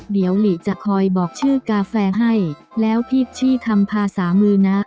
เดี๋ยวหลีจะคอยบอกชื่อกาแฟให้แล้วพี่ชี่ทำภาษามือนะ